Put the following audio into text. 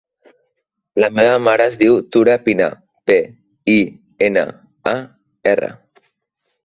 La meva mare es diu Tura Pinar: pe, i, ena, a, erra.